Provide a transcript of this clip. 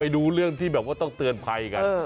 ดูเรื่องที่แบบว่าต้องเตือนภัยกัน